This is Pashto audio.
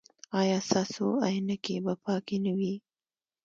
ایا ستاسو عینکې به پاکې نه وي؟